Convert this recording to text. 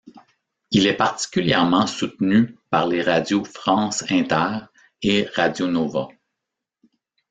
Il est particulièrement soutenu par les radios France Inter et Radio Nova.